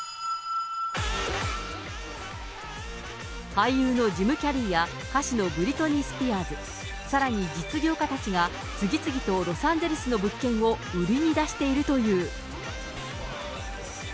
俳優のジム・キャリーや歌手のブリトニー・スピアーズ、さらに実業家たちが、次々とロサンゼルスの物件を売りに出しているという。